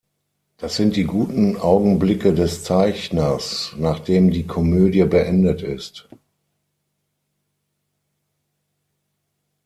Das sind die guten Augenblicke des Zeichners, nachdem die Komödie beendet ist.